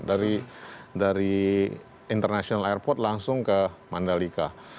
dari international airport langsung ke mandalika